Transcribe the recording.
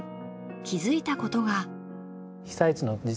気づいたことが。